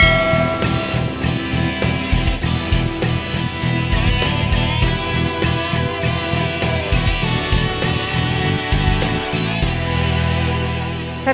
tim saya sedang bergerak